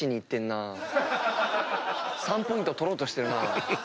３ポイント取ろうとしてるな。